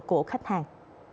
của khách hàng